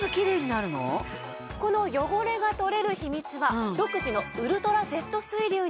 この汚れが取れる秘密は独自のウルトラジェット水流にあるんです。